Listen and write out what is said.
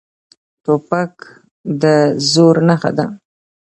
توپک د زور نښه ده.